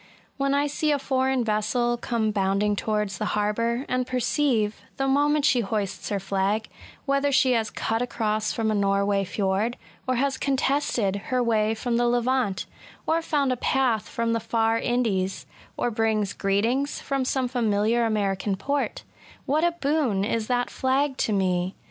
When I see a foreign vessel come boundi ing towards the harbour, and perceive, the moment she hoists her flag, whether she has cut across from a Norway flord, or has contested her way from the Levant, or found a path from the far Indies, or brings greetings from some familiar American port,— what a boon is that flag to me